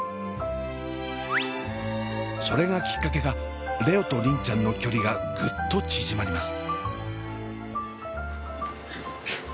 それがきっかけか蓮音と梨鈴ちゃんの距離がグッと縮まります。